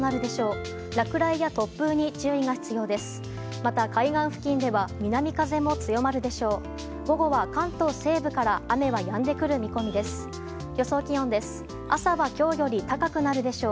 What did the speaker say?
また、海岸付近では南風も強まるでしょう。